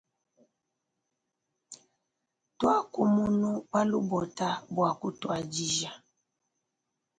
Tuaku munu pa lubota bua kutuadija .